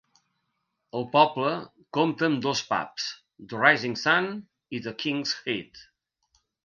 El poble compta amb dos pubs: The Rising Sun i The Kings Head.